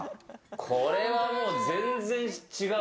これはもう全然違う。